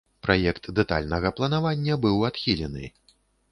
Праект дэтальнага планавання быў адхілены.